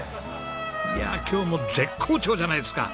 いやあ今日も絶好調じゃないですか。